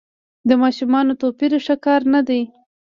د ماشومانو توپیر ښه کار نه دی.